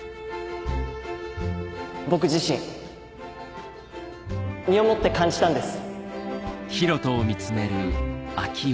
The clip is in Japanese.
僕自身身をもって感じたんです。